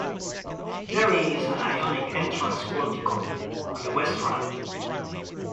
There is an Ionic entrance portico on the west front.